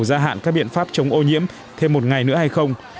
gia hạn các biện pháp chống ô nhiễm thêm một ngày nữa hay không